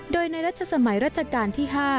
โดยในรัชสมัยรัชกาลที่๕